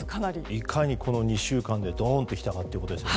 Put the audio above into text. いかにこの２週間でどーんと来たかということですよね。